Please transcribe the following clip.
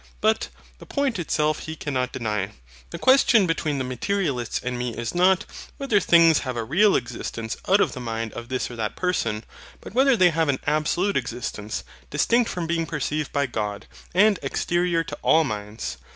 But the point itself he cannot deny. The question between the Materialists and me is not, whether things have a REAL existence out of the mind of this or that person, but whether they have an ABSOLUTE existence, distinct from being perceived by God, and exterior to all minds.